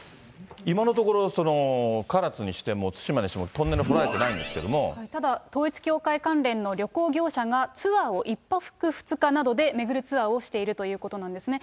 今のところ、唐津にしても対馬にしても、トンネル掘られてなただ統一教会関連の旅行業者がツアーを１泊２日などで巡るツアーをしてるということなんですね。